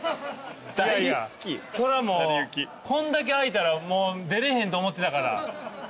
そらもうこんだけ空いたらもう出れへんと思ってたから。